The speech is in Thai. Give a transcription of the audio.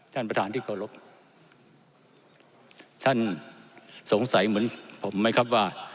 ท่านประธานที่เคารพท่านสงสัยเหมือนผมไหมครับว่า